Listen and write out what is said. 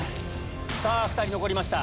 ２人残りました。